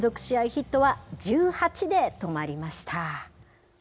ヒットは１８で止まりました。